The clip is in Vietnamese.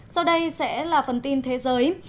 sau đây sẽ là phần tin thế giới